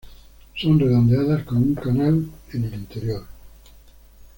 Son redondeadas con una canal en el interior.